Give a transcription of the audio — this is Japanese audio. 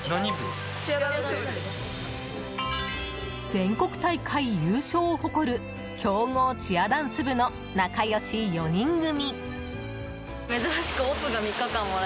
全国大会優勝を誇る強豪チアダンス部の仲良し４人組。